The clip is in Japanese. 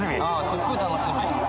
すっごい楽しみ。